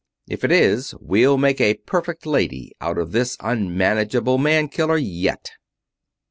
"If it is, we'll make a perfect lady out of this unmanageable man killer yet!"